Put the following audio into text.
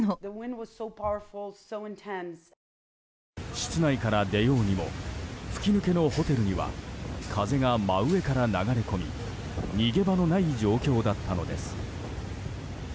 室内から出ようにも吹き抜けのホテルには風が真上から流れ込み逃げ場のない状況だったのです。